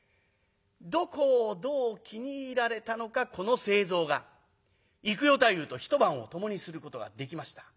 どこをどう気に入られたのかこの清蔵が幾代太夫と一晩を共にすることができました。